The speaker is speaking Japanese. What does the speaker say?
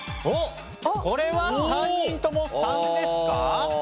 おっこれは３人とも３ですか？